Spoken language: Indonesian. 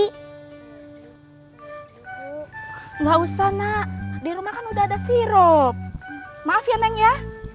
tidak usah nak di rumah kan udah ada sirup maaf ya neng ya